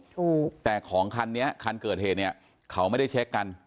ถูกแต่ของคันนี้คันเกิดเหตุเนี่ยเขาไม่ได้เช็คกัน